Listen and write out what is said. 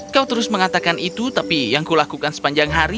kau terus mengatakan itu tapi yang kulakukan sepanjang hari